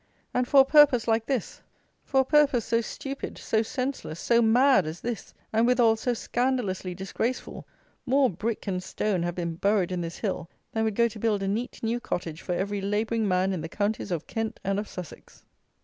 And for a purpose like this; for a purpose so stupid, so senseless, so mad as this, and withal, so scandalously disgraceful, more brick and stone have been buried in this hill than would go to build a neat new cottage for every labouring man in the counties of Kent and of Sussex!